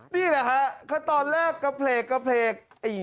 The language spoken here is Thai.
นี้แหละถ้า๑๒๐๐ก็เปลี่ยก